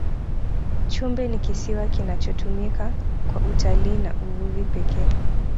chumbe ni kisiwa kinachotumika kwa utalii na uvuvi pekee